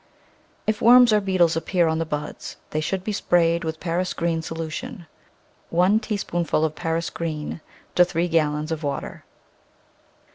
If worms or beetles appear on the buds they should be sprayed with Paris green solution — one tea spoonful of Paris green to three gallons of water.